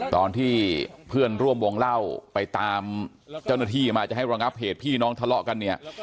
ตอนที่เพื่อนร่วมวงเล่าไปตามเจ้าหน้าที่มาจะให้ระงับเหตุพี่น้องทะเลาะกันเนี่ย